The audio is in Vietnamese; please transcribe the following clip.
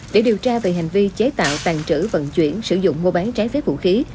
để điều tra về hành vi chế tạo tàn trữ vận chuyển sử dụng mua bán trái phép vũ khí